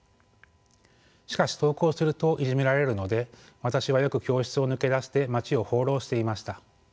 しかし登校するといじめられるので私はよく教室を抜け出して街を放浪していました。